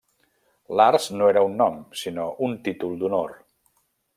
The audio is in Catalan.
Lars no era un nom sinó un títol d'honor.